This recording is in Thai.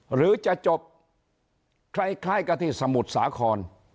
หรือจะจบคล้ายกับที่สมุทรสาคร